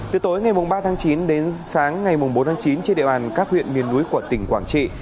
từ tối ngày ba tháng chín đến sáng ngày bốn tháng chín trên địa bàn các huyện miền núi của tỉnh quảng trị